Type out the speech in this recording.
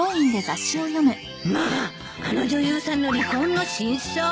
まああの女優さんの離婚の真相？